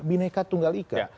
mereka tunggal ikat